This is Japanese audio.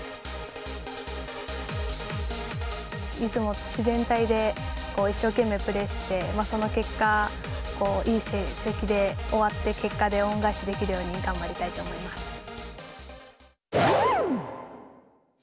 いつも自然体で、一生懸命プレーして、その結果、いい成績で終わって、結果で恩返しできるように頑張りたいと思います。